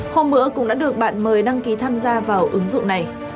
hôm bữa cũng đã được bạn mời đăng ký tham gia vào ứng dụng này